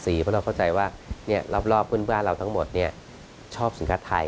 เพราะเราเข้าใจว่ารอบเพื่อนเราทั้งหมดชอบสินค้าไทย